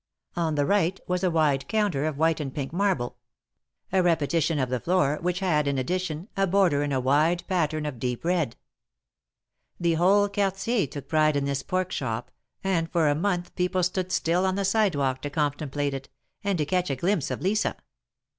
On the right was a wide counter of white and pink * marble — a repetition of the floor, which had, in addition, a border in a wide pattern of deep red. The whole Quartier took pride in this pork shop, and for a month people stood still on the sidewalk to contem plate it, and to catch a glimpse of Lisa.